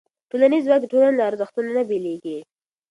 ټولنیز ځواک د ټولنې له ارزښتونو نه بېلېږي.